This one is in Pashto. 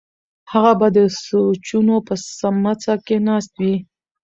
هغه به د سوچونو په سمڅه کې ناست وي.